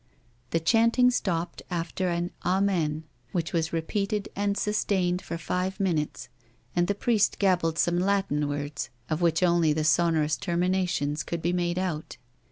The chanting stopped after an " Amen " which was repeated and sustained for five minutes, and the priest gabbled some Latin words of which only the sonorous terminations could be made out.